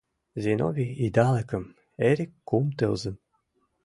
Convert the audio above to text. Зиновий — идалыкым, Эрик — кум тылзым.